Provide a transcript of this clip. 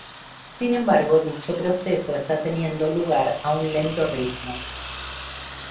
Sin embargo, dicho proceso está teniendo lugar a un lento ritmo.